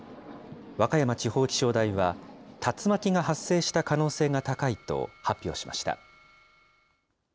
和歌山地方気象台は、竜巻が発生した可能性が高いと発表しました。